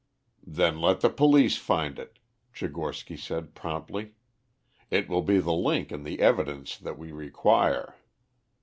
"Then let the police find it," Tchigorsky said promptly. "It will be the link in the evidence that we require.